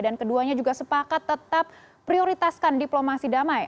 dan keduanya juga sepakat tetap prioritaskan diplomasi damai